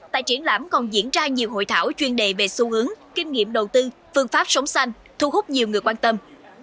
tại triển lãm còn diễn ra nhiều hội thảo chuyên đề về xu hướng kinh nghiệm đầu tư phương pháp sống xanh thu hút nhiều người quan tâm